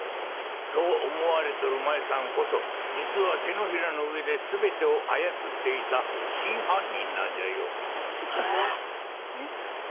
そう思われとる麻衣さんこそ実は掌の上で全てを操っていた真犯人なんじゃよ。え！？え。